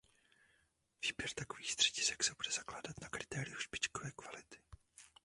Výběr takových středisek se bude zakládat na kritériu špičkové kvality.